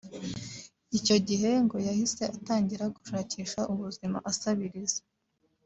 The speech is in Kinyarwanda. Icyo gihe ngo yahise atangira gushakisha ubuzima asabiriza